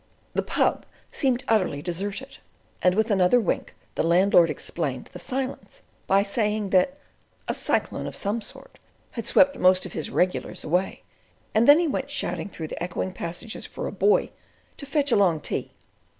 The Pub seemed utterly deserted, and with another wink the landlord explained the silence by saying that "a cyclone of some sort" had swept most of his "regulars" away; and then he went shouting through the echoing passages for a "boy" to "fetch along tea."